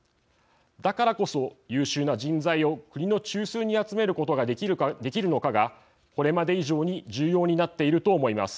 だからこそ、優秀な人材を国の中枢に集めることができるのかが、これまで以上に重要になっていると思います。